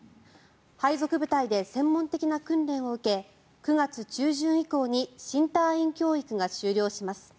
配属部隊で専門的な訓練を受け９月中旬以降に新隊員教育が終了します。